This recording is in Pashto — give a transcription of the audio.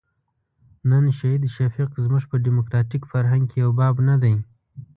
نن شهید شفیق زموږ په ډیموکراتیک فرهنګ کې یو باب نه دی.